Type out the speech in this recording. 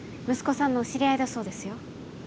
息子さんのお知り合いだそうですよ